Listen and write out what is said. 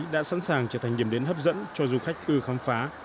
đã sẵn sàng trở thành điểm đến hấp dẫn cho du khách ưu khám phá